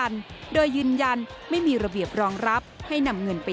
รายงาน